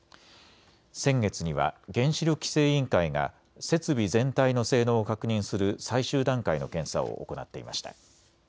先月には原子力規制委員会が設備全体の性能を確認する最終段階の検査を行っていました。